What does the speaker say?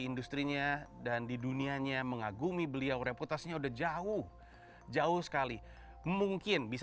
industri nya dan di dunianya mengagumi beliau reputasinya udah jauh jauh sekali mungkin bisa